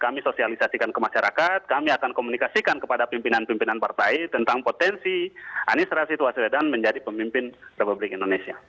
kami sosialisasikan ke masyarakat kami akan komunikasikan kepada pimpinan pimpinan partai tentang potensi anies ras itu aswedan menjadi pemimpin republik indonesia